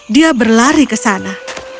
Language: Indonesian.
dia berlari ke sana